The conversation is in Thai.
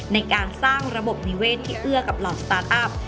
ในการสร้างระบบนิเวศที่เอื้อกับเหล่าสตาร์ทอัพ